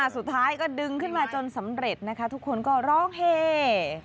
สุดท้ายก็ดึงขึ้นมาจนสำเร็จนะคะทุกคนก็ร้องเฮ